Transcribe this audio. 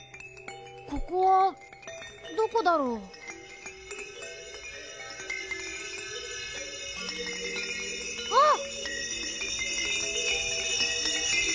ここはどこだろう？あっ！